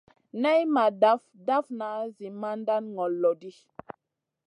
Nay ma daf dafna zi mandan ŋol lo ɗi.